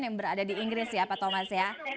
yang berada di inggris ya pak thomas ya